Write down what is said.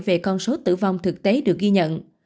về con số tử vong thực tế được ghi nhận